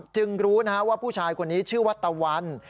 จึงรู้ว่าผู้ชายคนนี้ชื่อว่าตะวัน